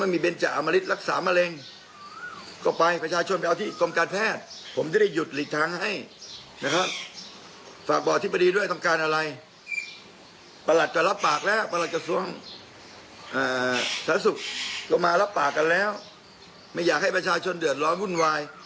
มีนารับปากกันแล้วไม่อยากให้ประชาชนเดือดร้อนวุ่นวาย